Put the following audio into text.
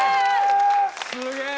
すげえ！